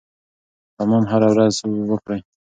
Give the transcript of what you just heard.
حمام هره ورځ وکړئ.